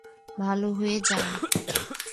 ভালো হয়ে যাও।